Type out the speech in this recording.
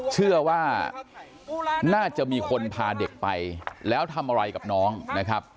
เชื่อว่าน่าจะมีคนพาเด็กไปแล้วทำอะไรกับน้องนะครับ